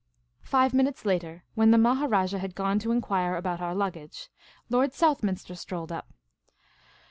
Five minutes later, when the Maharajah had gone to en quire about our luggage, Lord Southminster strolled up.